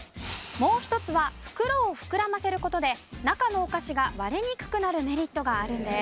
もう１つは袋を膨らませる事で中のお菓子が割れにくくなるメリットがあるんです。